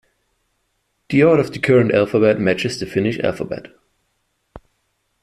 The order of the current alphabet matches the Finnish alphabet.